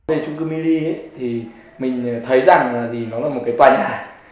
đây là trung cư millie thì mình thấy rằng là nó là một cái tòa nhà